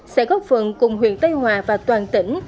sẽ góp phần cùng huyện tây hòa và toàn tỉnh